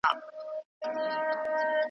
چي پر چا غمونه نه وي ورغلي .